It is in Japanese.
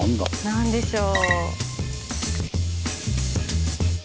何でしょう。